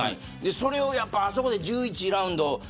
それをあそこで１１ラウンド。